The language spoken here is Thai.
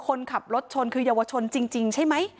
คนขับรถชนคือเยาวชนจริงใช่ไหม